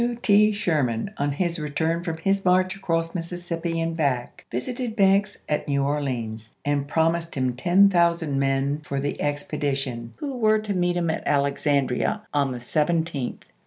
W. i864. T. Sherman, on his return from his march across Mississippi and back, visited Banks at New Or leans and promised him ten thousand men for the expedition, who were to meet him at Alexandria on the 17th.